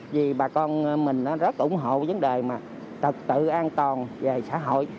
vì bà con mình rất ủng hộ vấn đề mà trật tự an toàn về xã hội